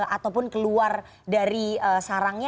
ataupun keluar dari sarangnya